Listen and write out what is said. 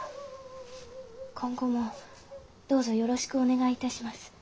今後もどうぞよろしくお願いいたします。